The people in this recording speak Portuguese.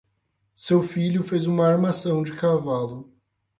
Seu filho fez uma armação de cavalo.